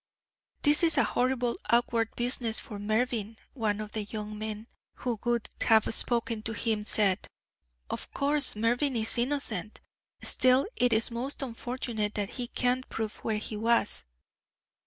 "This is a horribly awkward business for Mervyn," one of the young men, who would have spoken to him, said. "Of course Mervyn is innocent; still it is most unfortunate that he can't prove where he was."